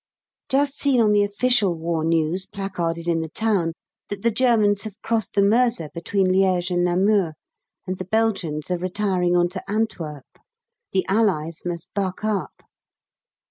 Just seen on the Official War News placarded in the town that the Germans have crossed the Meuse between Liège and Namur, and the Belgians are retiring on to Antwerp. The Allies must buck up.